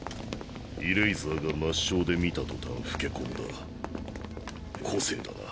イレイザーが抹消で視た途端老けこんだ個性だな。